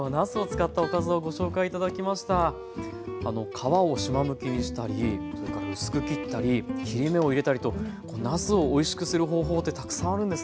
皮をしまむきにしたりそれから薄く切ったり切り目を入れたりとなすをおいしくする方法ってたくさんあるんですね。